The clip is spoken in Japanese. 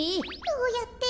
どうやって？